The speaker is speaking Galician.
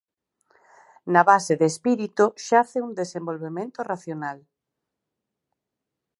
Na base de espírito xace un desenvolvemento racional.